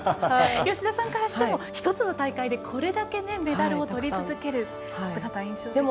吉田さんからしても１つの大会でこれだけメダルをとり続ける姿印象的ですね。